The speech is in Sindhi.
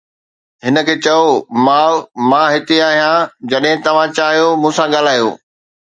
هن کي چئو، "ماء، مان هتي آهيان، جڏهن توهان چاهيو ته مون سان ڳالهايو."